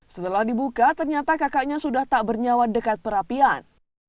setelah dibuka ternyata kakaknya sudah tak bernyawa dekat perapian